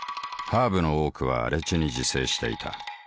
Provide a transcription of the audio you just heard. ハーブの多くは荒地に自生していた。